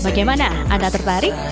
bagaimana anda tertarik